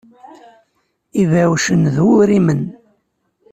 Ibeɛɛucen d uwrimen.